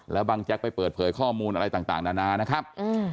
แล้วบางแจ๊กไปเปิดเผยข้อมูลอะไรต่างนานานะครับ